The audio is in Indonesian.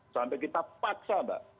sampai kita paksa mbak